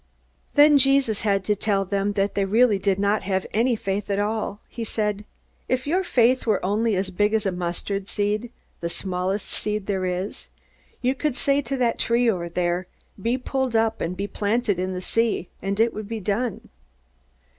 Then Jesus had to tell them that they really did not have any faith at all. He said: "If your faith were only as big as a mustard seed the smallest seed there is you could say to that tree over there, 'Be pulled up and be planted in the sea,' and it would be done."